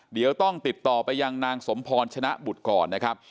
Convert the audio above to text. เดี๋ยวต้องติดต่อไปยังนางสมพรชนะบุตรก่อนนะครับ